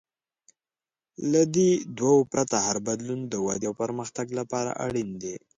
له دې دوو پرته، هر بدلون د ودې او پرمختګ لپاره اړین دی.